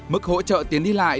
mức hỗ trợ tiến đi lại